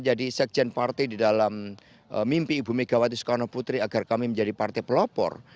jadi sekjen parti di dalam mimpi ibu megawati soekarno putri agar kami menjadi parti pelopor